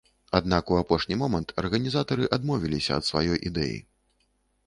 Аднак у апошні момант арганізатары адмовіліся ад сваёй ідэі.